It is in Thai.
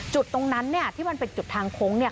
จุดตรงนั้นเนี่ยที่มันเป็นจุดทางโค้งเนี่ย